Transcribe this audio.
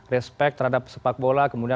respect terhadap sepak bola